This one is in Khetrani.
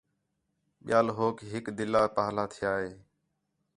ٻِیال ہوک ہِک دِلّہ پاہلا تِھیا ہِے